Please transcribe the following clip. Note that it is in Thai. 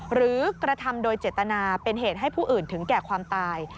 หรือกระทำโดยเจตนาเป็นเหตุให้ผู้อื่นถึงแก่ความตาย